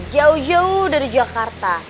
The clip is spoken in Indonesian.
jauh jauh dari jakarta